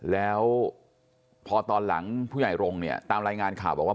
แล้วพอตอนหลังผู้ใหญ่รงค์เนี่ยตามรายงานข่าวบอกว่า